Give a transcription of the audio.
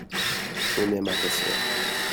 on aima ta sœur.